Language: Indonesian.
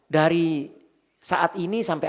dari saat ini sampai